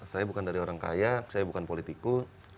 saya bukan dari orang kaya saya bukan politiku